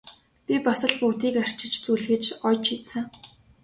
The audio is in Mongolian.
Би бас л бүгдийг арчиж зүлгэж оёж шидсэн!